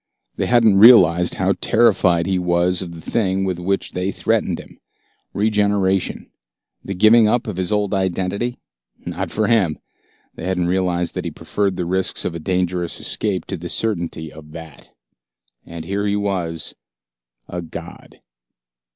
They hadn't realized how terrified he was of the thing with which they threatened him. Regeneration, the giving up of his old identity? Not for him. They hadn't realized that he preferred the risks of a dangerous escape to the certainty of that. And here he was a god.